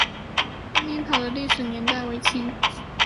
君灵塔的历史年代为清。